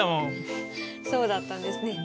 そうだったんですね。